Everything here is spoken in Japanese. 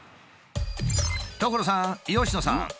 所さん佳乃さん！